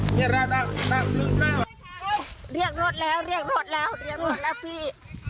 เรียกรถแล้วเรียกรถแล้วเรียกรถแล้วเรียกรถแล้วพี่